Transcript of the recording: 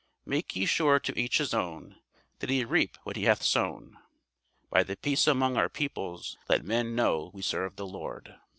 Make ye sure to each his own That he reap what he hath sown; By the peace among Our peoples let men know we serve the Lord.